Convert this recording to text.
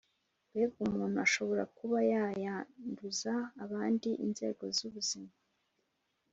mbega umuntu ashobora kuba yayanduza abandi, inzego z’ ubuzima,